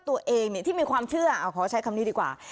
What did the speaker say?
ตัวเองที่มีความเชื่อขอใช้คำนี้ดีกว่า